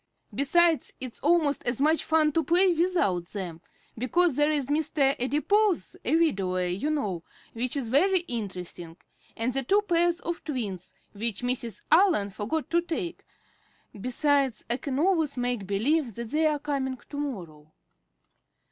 Besides, it's almost as much fun to play without them, because there is Mr. Adipose, a widower, you know, which is very interesting, and the two pairs of twins, which Mrs. Allen forgot to take. Besides, I can always make believe that they are coming to morrow."